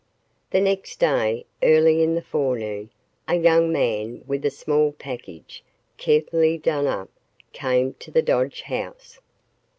The next day, early in the forenoon, a young man with a small package carefully done up came to the Dodge house.